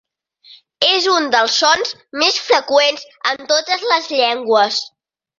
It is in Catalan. És un dels sons més freqüents en totes les llengües.